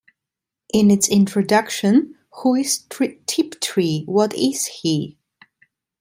In its introduction, Who is Tiptree, What is He?